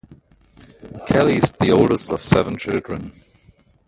Kelly is the oldest of seven children.